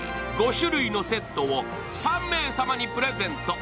５種類のセットを３名様にプレゼント。